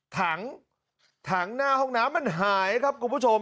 ถังถังหน้าห้องน้ำมันหายครับคุณผู้ชม